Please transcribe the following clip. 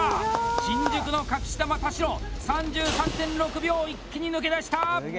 新宿の隠し球・田代３３．６秒、一気に抜け出した！